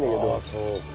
そうか。